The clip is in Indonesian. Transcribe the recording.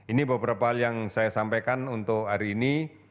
ini beberapa hal yang saya sampaikan untuk hari ini